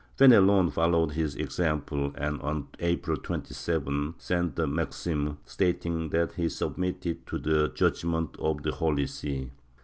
Fenelon followed his example and, on April 27th, sent the Maximes, stating that he submitted it to the judgement of the Holy See.